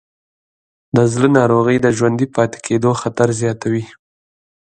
د زړه ناروغۍ د ژوندي پاتې کېدو خطر زیاتوې.